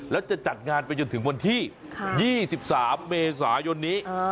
แล้วจะจัดงานไปจนถึงวันที่๒๓เมษายนนี้